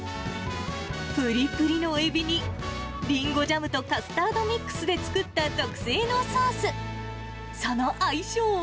ぷりぷりのエビに、リンゴジャムとカスタードミックスで作った特製のソース。